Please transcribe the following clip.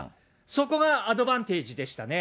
そこがアドバンテージでしたね。